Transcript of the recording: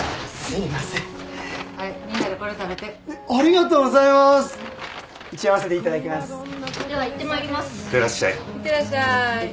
いってらっしゃい。